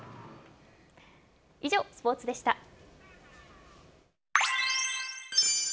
以上、スポーツでした。